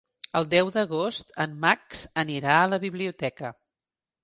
El deu d'agost en Max anirà a la biblioteca.